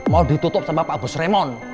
mau ditutup sama pak bos raymond